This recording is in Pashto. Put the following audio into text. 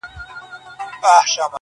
ما ته خدای وو دا وړیا نغمت راکړی٫